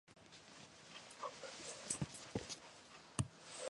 Aberli was born in Winterthur.